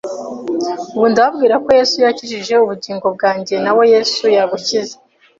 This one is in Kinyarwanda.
ubu ndababwira ko Yesu yakijije ubugingo bwanjye. Nawe Yesu yagukiza,